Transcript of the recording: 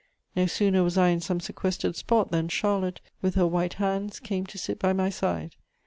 No sooner was I in some sequestered spot than Charlotte, with her white hands, came to sit by my side.